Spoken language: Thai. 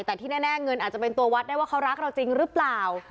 แต่ที่แน่เงินอาจจะเป็นตัววัดได้ว่าเขารักเราจริงหรือเปล่า